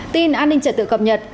tin an ninh trật tự cập nhật